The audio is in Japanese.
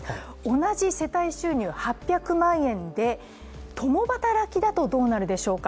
同じ世帯収入８００万円で共働きだとどうなるでしょうか。